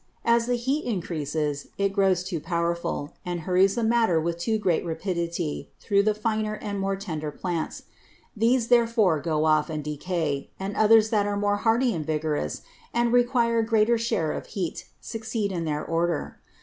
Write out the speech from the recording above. As the Heat increases, it grows too powerful, and hurries the Matter with too great Rapidity thorough the finer and more tender Plants: These therefore go off, and decay; and others that are more hardy and vigorous, and require a greater share of Heat, succeed in their Order.